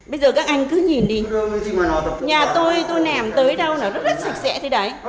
bây giờ các anh cứ nhìn đi nhà tôi tôi nèm tới đâu nó rất sạch sẽ thế đấy